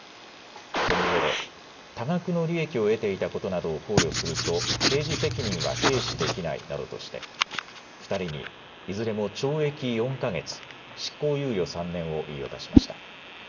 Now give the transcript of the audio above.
そのうえで多額の利益を得ていたことなどを考慮すると刑事責任は軽視できないなどとして２人にいずれも懲役４か月、執行猶予３年を言い渡しました。